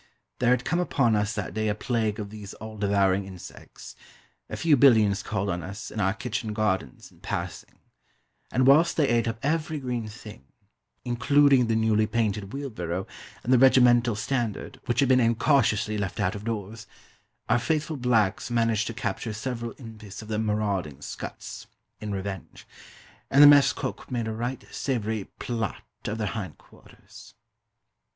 There had come upon us that day a plague of these all devouring insects. A few billions called on us, in our kitchen gardens, in passing; and whilst they ate up every green thing including the newly painted wheelbarrow, and the regimental standard, which had been incautiously left out of doors our faithful blacks managed to capture several impis of the marauding scuts, in revenge; and the mess cook made a right savoury plât of their hind quarters.